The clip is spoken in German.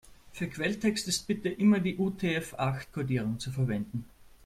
Für Quelltext ist bitte immer die UTF-acht-Kodierung zu verwenden.